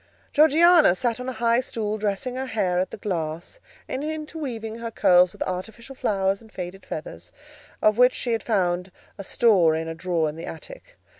Georgiana sat on a high stool, dressing her hair at the glass, and interweaving her curls with artificial flowers and faded feathers, of which she had found a store in a drawer in the attic.